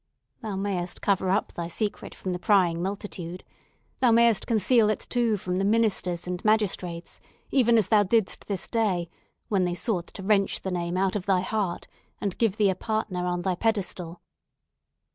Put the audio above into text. Thou mayest cover up thy secret from the prying multitude. Thou mayest conceal it, too, from the ministers and magistrates, even as thou didst this day, when they sought to wrench the name out of thy heart, and give thee a partner on thy pedestal.